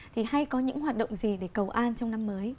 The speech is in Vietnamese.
thì hay có những hoạt động gì để cầu an trong năm mới